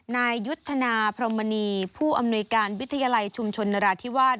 นายยุทธนาพรมมณีผู้อำนวยการวิทยาลัยชุมชนนราธิวาส